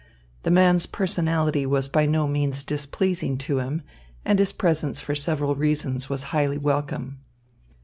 The man's personality was by no means displeasing to him, and his presence for several reasons was highly welcome.